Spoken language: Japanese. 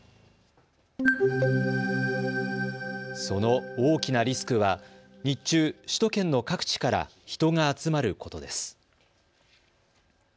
その大きなリスクは日中、首都圏の各地から人が集まることです。